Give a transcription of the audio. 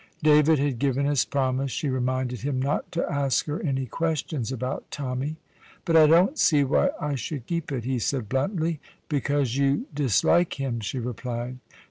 David had given his promise, she reminded him, not to ask her any questions about Tommy. "But I don't see why I should keep it," he said bluntly. "Because you dislike him," she replied.